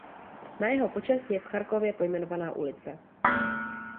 Na jeho počest je v Charkově pojmenována ulice.